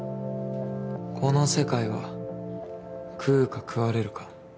この世界は食うか食われるか。